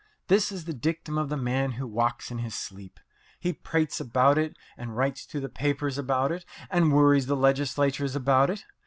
This is the dictum of the man who walks in his sleep. He prates about it, and writes to the papers about it, and worries the legislators about it.